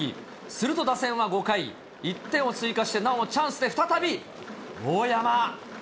すると打線は５回、１点を追加して、なおチャンスで再び大山。